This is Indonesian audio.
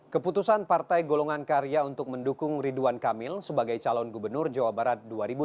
keputusan partai golongan karya untuk mendukung ridwan kamil sebagai calon gubernur jawa barat dua ribu delapan belas